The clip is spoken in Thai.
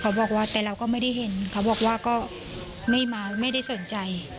บอกว่าแต่เราก็ไม่ได้เห็นเขาบอกว่าก็ไม่มาไม่ได้สนใจ